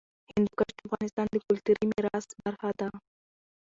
هندوکش د افغانستان د کلتوري میراث برخه ده.